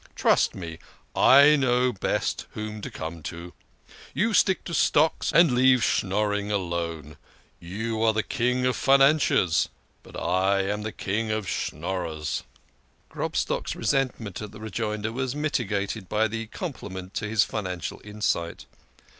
Trust me, I know best whom to come to. You stick to stocks and leave Schnorring alone. You are the King of Financiers, but I am the King of Schnorrers." Grobstock's resentment at the rejoinder was mitigated by the compliment to his financial insight.